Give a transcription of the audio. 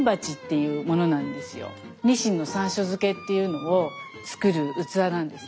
鰊の山椒漬けっていうのを作る器なんですね。